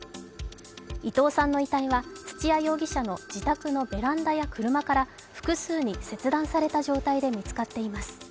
伊藤さんの遺体は土屋容疑者の自宅のベランダや車から複数に切断された状態で見つかっています。